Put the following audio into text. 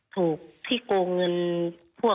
ถูกที่โกงเงินพวก